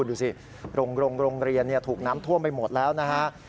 ดูสิโรงเรียนถูกน้ำท่วมไปหมดแล้วนะฮะ